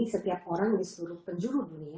setiap orang di seluruh penjuru dunia